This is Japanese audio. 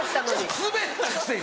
スベったくせに。